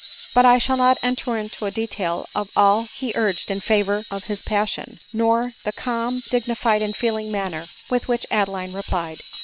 But I shall not enter into a detail of all he urged in favor of his passion ; nor the calm, dignified and feeling manner in which Adeline replied.